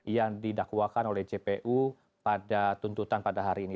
yang didakwakan oleh jpu pada tuntutan pada hari ini